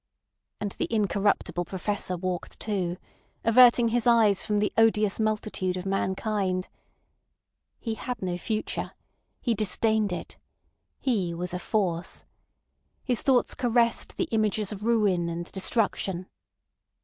And the incorruptible Professor walked too, averting his eyes from the odious multitude of mankind. He had no future. He disdained it. He was a force. His thoughts caressed the images of ruin and destruction.